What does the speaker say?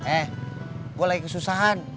eh gue lagi kesusahan